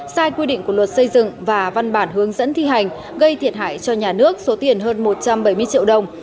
sai quy định của luật xây dựng và văn bản hướng dẫn thi hành gây thiệt hại cho nhà nước số tiền hơn một trăm bảy mươi triệu đồng